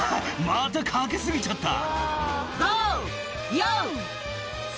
またかけ過ぎちゃった。